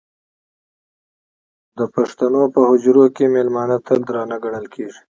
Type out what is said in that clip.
د پښتنو په حجرو کې مېلمانه تل درانه ګڼل کېږي.